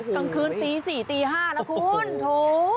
กลางคืนตี๔ตี๕นะคุณโถ